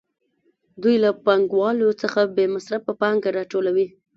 دوی له پانګوالو څخه بې مصرفه پانګه راټولوي